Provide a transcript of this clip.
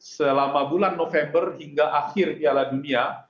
selama bulan november hingga akhir piala dunia